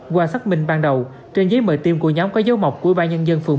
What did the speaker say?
qua xác minh ban đầu trên giấy mời tiêm của nhóm có dấu mọc của ba nhân dân phường một mươi sáu